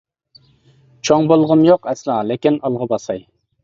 چوڭ بولغۇم يوق ئەسلا، لېكىن ئالغا باساي.